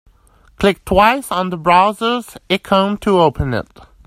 Click twice on the browser's icon to open it.